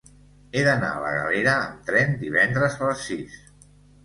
He d'anar a la Galera amb tren divendres a les sis.